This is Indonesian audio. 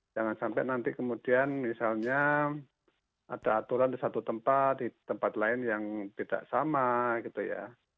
jangan sampai nanti kemudian misalnya ada aturan di satu tempat di tempat lain yang tidak sama gitu ya